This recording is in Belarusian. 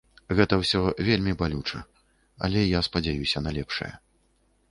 Гэта ўсё вельмі балюча, але я спадзяюся на лепшае.